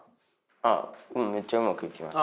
あっめっちゃうまくいきました。